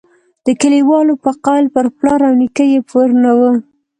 د کلیوالو په قول پر پلار او نیکه یې پور نه وو.